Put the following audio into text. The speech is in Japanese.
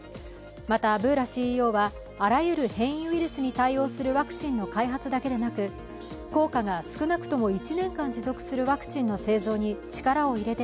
また、ブーラＣＥＯはあらゆる変異ウイルスに対応するワクチンの開発だけでなく効果が少なくとも１年間持続する